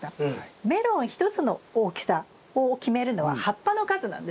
メロン一つの大きさを決めるのは葉っぱの数なんですよ。